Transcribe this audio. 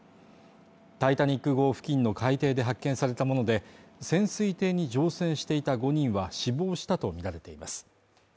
「タイタニック」号付近の海底で発見されたもので、潜水艇に乗船していた５人は死亡したとみられています。